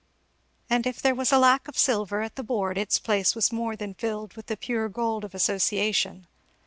And if there was a lack of silver at the board its place was more than filled with the pure gold of association.